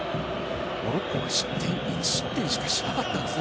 モロッコは１失点しかしなかったんですね。